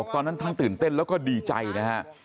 ตอนนั้นทั้งตื่นเต้นแล้วก็ดีใจนะฮะ